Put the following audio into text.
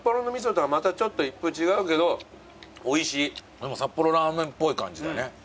でも札幌ラーメンっぽい感じだね。